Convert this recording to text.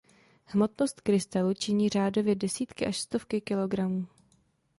Hmotnost krystalu činí řádově desítky až stovky kilogramů.